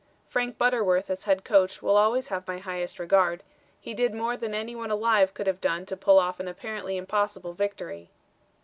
"Frank Butterworth as head coach will always have my highest regard; he did more than any one alive could have done to pull off an apparently impossible victory."